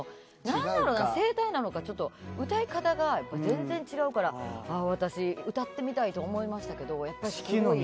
何だろな声帯なのか歌い方が全然違うから私歌ってみたいと思いましたけどやっぱりすごい。